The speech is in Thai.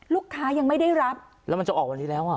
ยังไม่ได้รับแล้วมันจะออกวันนี้แล้วอ่ะ